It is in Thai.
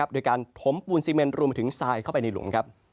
โดยการถมปูนซีเมนรวมไปถึงทรายเข้าไปในหลุม